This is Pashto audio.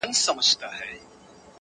خو د خلکو درد بې جوابه او بې علاج پاتېږي